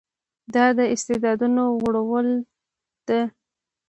دا د استعدادونو غوړولو ده.